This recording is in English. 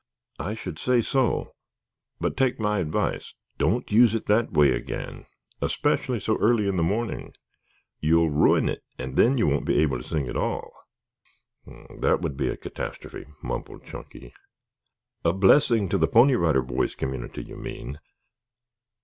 "I should say so. But take my advice. Don't use it that way again, especially so early in the morning. You'll ruin it and then you won't be able to sing at all." "That would be a catastrophe," mumbled Chunky. "A blessing to the Pony Rider Boys community, you mean.